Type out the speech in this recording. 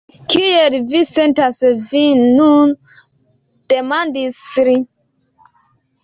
Kiel vi sentas vin nun? demandis li.